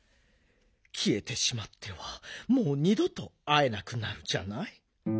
きえてしまってはもうにどとあえなくなるじゃない。